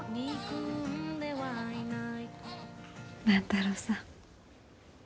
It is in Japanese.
万太郎さん。